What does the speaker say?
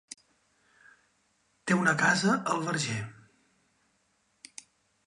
Té una casa al Verger.